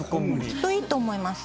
きっといいと思います。